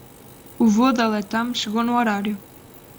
O voo da Latam chegou no horário.